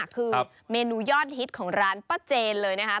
คือเมนูยอดฮิตของร้านป้าเจนเลยนะครับ